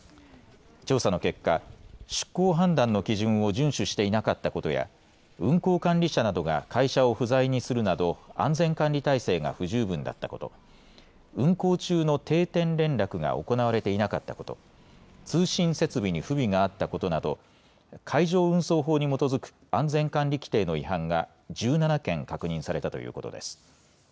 調査の結果、出航判断の基準を順守していなかったことや運航管理者などが会社を不在にするなど、安全管理体制が不十分だったこと、運航中の定点連絡が行われていなかったこと、通信設備に不備があったことなど海上運送法に基づく安全管理規程の違反が１７件、確認されたということです。